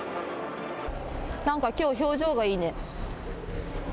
なんかきょう、表情がいいね。